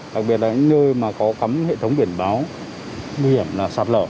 đặc biệt là những nơi mà có cắm hệ thống biển báo nguy hiểm là sạt lở